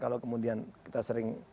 kalau kemudian kita sering